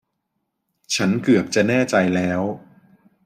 ฉันเกือบจะแน่ใจแล้ว